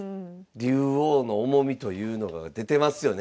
竜王の重みというのが出てますよね。